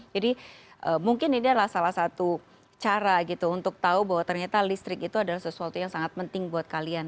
jadi mungkin ini adalah salah satu cara gitu untuk tahu bahwa ternyata listrik itu adalah sesuatu yang sangat penting buat kalian